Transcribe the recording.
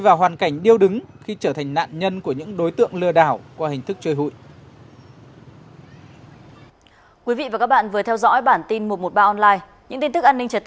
vào hoàn cảnh điêu đứng khi trở thành nạn nhân của những đối tượng lừa đảo qua hình thức chơi hụi